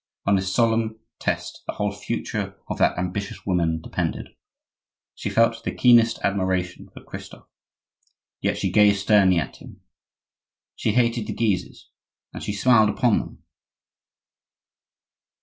On this solemn test the whole future of that ambitious woman depended; she felt the keenest admiration for Christophe, yet she gazed sternly at him; she hated the Guises, and she smiled upon them!